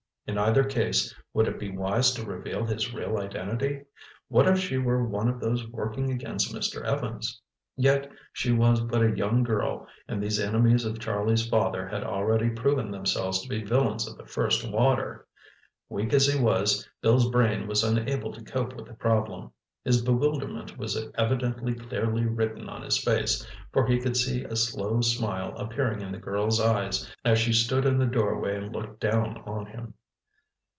In either case, would it be wise to reveal his real identity? What if she were one of those working against Mr. Evans? Yet she was but a young girl and these enemies of Charlie's father had already proven themselves to be villains of the first water. Weak as he was, Bill's brain was unable to cope with the problem. His bewilderment was evidently clearly written on his face, for he could see a slow smile appearing in the girl's eyes as she stood in the doorway and looked down on him.